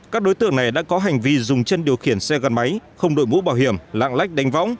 các đối tượng này đã có hành vi dùng chân điều khiển xe gắn máy không đội mũ bảo hiểm lạng lách đánh võng